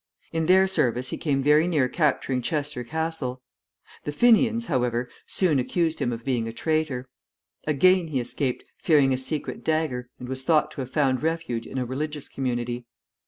In their service he came very near capturing Chester Castle. The Fenians, however, soon accused him of being a traitor. Again he escaped, fearing a secret dagger, and was thought to have found refuge in a religious community.